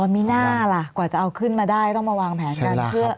มีน่าล่ะกว่าจะเอาขึ้นมาได้ต้องมาวางแผนกันเพื่อ